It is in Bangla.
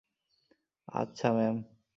আচ্ছা, ম্যাম।